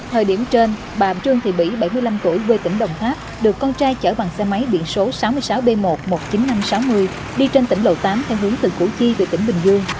thời điểm trên bà trương thị mỹ bảy mươi năm tuổi quê tỉnh đồng tháp được con trai chở bằng xe máy biển số sáu mươi sáu b một trăm một mươi chín nghìn năm trăm sáu mươi đi trên tỉnh lộ tám theo hướng từ củ chi về tỉnh bình dương